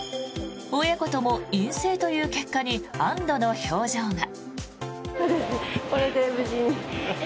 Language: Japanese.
親子とも陰性という結果に安どの表情が。